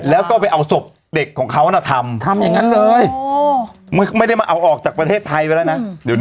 แล้วก็ไปเอาศพเด็กของเขาน่ะทำทำอย่างนั้นเลยไม่ได้มาเอาออกจากประเทศไทยไปแล้วนะ